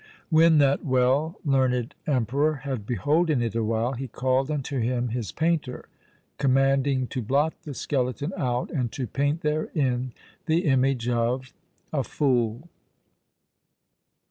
When that well learned emperor had beholden it awhile, he called unto him his painter, commanding to blot the skeleton out, and to paint therein the image of a fool.